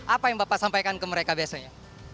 apa yang bapak sampaikan ke mereka biasanya